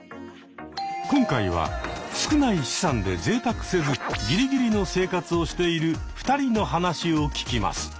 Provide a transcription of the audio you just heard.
今回は少ない資産でぜいたくせずギリギリの生活をしている２人の話を聞きます。